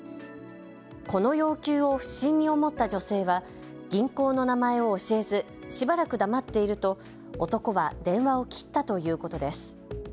この要求を不審に思った女性は銀行の名前を教えずしばらく黙っていると男は電話を切ったということです。